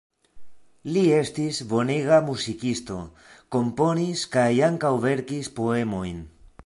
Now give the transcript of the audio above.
Li estis bonega muzikisto, komponis kaj ankaŭ verkis poemojn.